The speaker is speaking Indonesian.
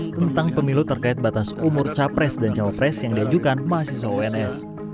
tentang pemilu terkait batas umur capres dan cawapres yang diajukan mahasiswa uns